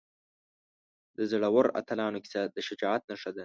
د زړورو اتلانو کیسه د شجاعت نښه ده.